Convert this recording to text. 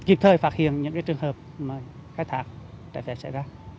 để kịp thời phạt hiểm những trường hợp khai thác tài phép xảy ra